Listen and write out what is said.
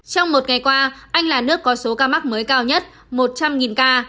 trong một ngày qua anh là nước có số ca mắc mới cao nhất một trăm linh ca